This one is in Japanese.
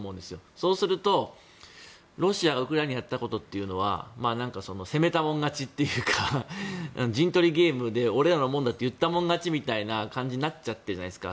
そうするとロシアがウクライナにやったことは攻めたもん勝ちというか陣取りゲームで俺らのものだと言ったもん勝ちみたいになっちゃっているじゃないですか。